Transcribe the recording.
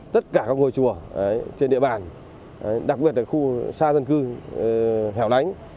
tất cả các ngôi chùa trên địa bàn đặc biệt là khu xa dân cư hẻo lánh